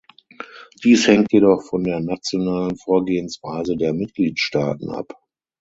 Dies hängt jedoch von der nationalen Vorgehensweise der Mitgliedstaaten ab.